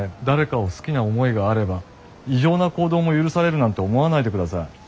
誰かを好きな思いがあれば異常な行動も許されるなんて思わないでください。